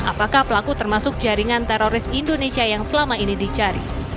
apakah pelaku termasuk jaringan teroris indonesia yang selama ini dicari